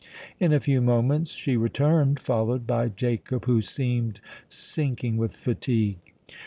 In a few moments she returned, followed by Jacob, who seemed sinking with fatigue.